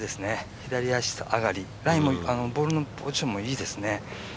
左足上がり、ライもボールのポジションもいいですね。